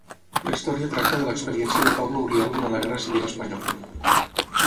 La història tracta de l'experiència de Pablo Uriel durant la Guerra Civil Espanyola.